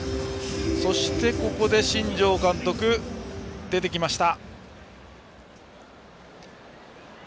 ここで新庄監督が出てきました。